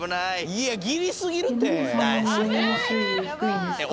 いやギリすぎるって！